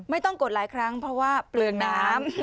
กดหลายครั้งเพราะว่าเปลืองน้ำ